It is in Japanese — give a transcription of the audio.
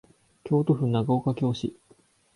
京都府長岡京市